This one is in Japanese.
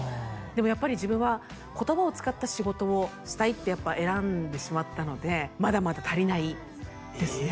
でもやっぱり自分は言葉を使った仕事をしたいってやっぱ選んでしまったのでまだまだ足りないですね